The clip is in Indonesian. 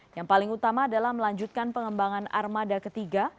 yang paling utama adalah melanjutkan pengembangan armada ketiga